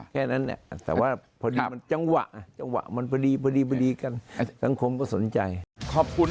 แค่นั้นเนี่ยแต่ว่าจังหวะมันพอดีกัน